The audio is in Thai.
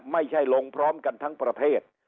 ไม่ใช่ลงพร้อมกันทั้งประเทศ